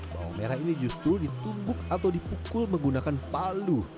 bawang merah ini justru ditumbuk atau dipukul menggunakan palu